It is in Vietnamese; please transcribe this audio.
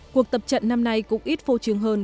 cuộc tập trận năm nay cũng ít phô trương hơn